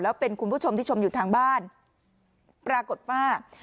แล้วเป็นคุณผู้ชมที่ชมอยู่ทางบ้านปรากฏว่า